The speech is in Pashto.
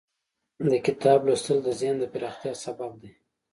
د کتاب لوستل د ذهن د پراختیا سبب دی.